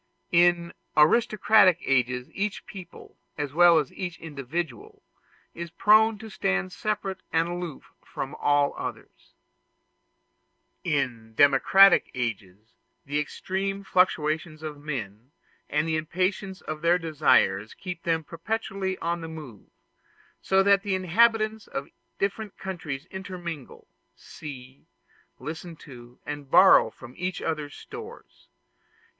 In aristocratic ages each people, as well as each individual, is prone to stand separate and aloof from all others. In democratic ages, the extreme fluctuations of men and the impatience of their desires keep them perpetually on the move; so that the inhabitants of different countries intermingle, see, listen to, and borrow from each other's stores.